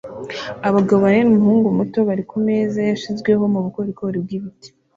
Abagabo bane n'umuhungu muto bari kumeza yashizweho mubukorikori bwibiti